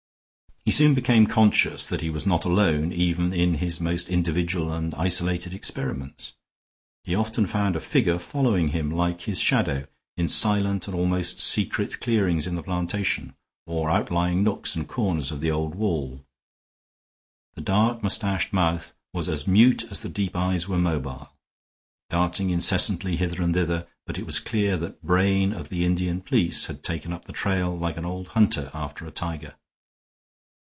He soon become conscious that he was not alone even in his most individual and isolated experiments. He often found a figure following him like his shadow, in silent and almost secret clearings in the plantation or outlying nooks and corners of the old wall. The dark mustached mouth was as mute as the deep eyes were mobile, darting incessantly hither and thither, but it was clear that Brain of the Indian police had taken up the trail like an old hunter after a tiger.